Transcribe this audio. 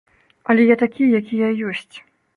Але я такі, які я ёсць.